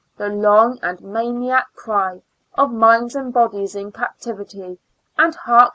the long and maniac cry, Of minds and bodies in captivity, And hark